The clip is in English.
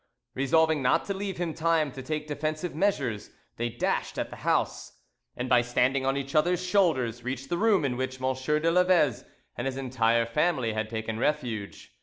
Resolving not to leave him time to take defensive measures, they dashed at the house, and by standing on each other's shoulders reached the room in which M. de Laveze and his entire family had taken refuge.